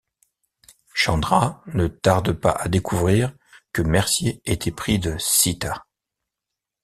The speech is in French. Chandra ne tarde pas à découvrir que Mercier est épris de Seetha.